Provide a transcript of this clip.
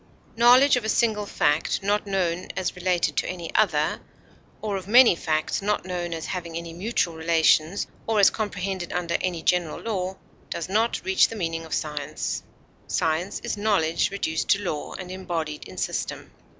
Knowledge of a single fact, not known as related to any other, or of many facts not known as having any mutual relations or as comprehended under any general law, does not reach the meaning of science; science is knowledge reduced to law and embodied in system.